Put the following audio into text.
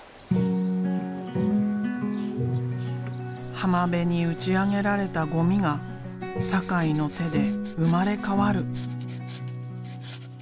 浜辺に打ち上げられたゴミが酒井の手で生まれ変わる。